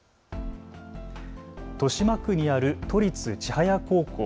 豊島区にある都立千早高校。